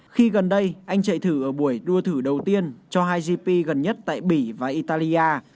khi gần đây anh chạy thử ở buổi đua thử đầu tiên cho hai gp gần nhất tại bỉ và italia